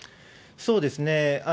そうですね。